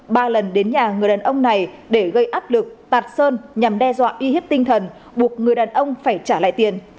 ba lần đến nhà người đàn ông này để gây áp lực tạt sơn nhằm đe dọa uy hiếp tinh thần buộc người đàn ông phải trả lại tiền